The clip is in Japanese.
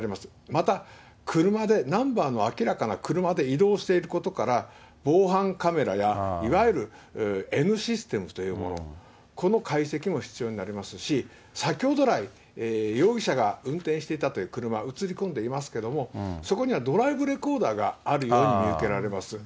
また、車で、ナンバーの明らかな車で移動していることから、防犯カメラや、いわゆるＮシステムというもの、この解析も必要になりますし、先ほど来、容疑者が運転していたという車、写り込んでいますけども、そこにはドライブレコーダーがあるように見受けられます。